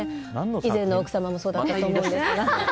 以前の奥様もそうだったと思うんですけど。